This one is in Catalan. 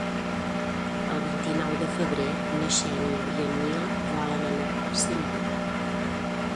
El vint-i-nou de febrer na Xènia i en Nil volen anar al cinema.